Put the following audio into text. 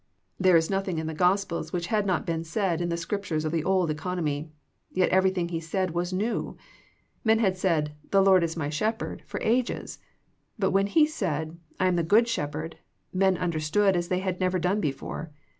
There is nothing in the Gospels which had not been said in the Scriptures of the old economy. Yet everything He said was new. Men had said, "The Lord is my Shep 52 THE PEAOTICE OF PEAYEE herd " for ages, but when He said " I am the good Shepherd " men understood as they had never done before.